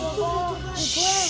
tunggu bal tunggu bal